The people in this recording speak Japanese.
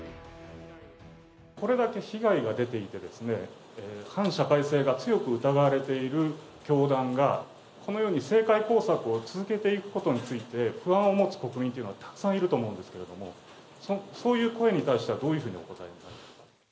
これだけ被害が出ていて、反社会性が強く疑われている教団が、このように政界工作を続けていくことについて、不安を持つ国民というのはたくさんいると思うんですけれども、そういう声に対してはどういうふうにお答えになりますか。